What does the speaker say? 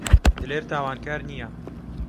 دلێر تاوانکار نییە.